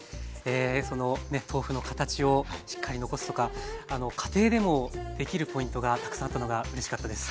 その豆腐の形をしっかり残すとか家庭でもできるポイントがたくさんあったのがうれしかったです。